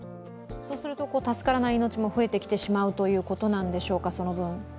そうすると助からない命も増えてきてしまうということなんでしょうか、その分。